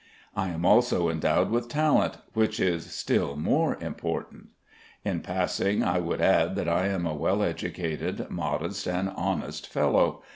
I am also endowed with talent, which is still more important. In passing, I would add that I am a well educated, modest, and honest fellow.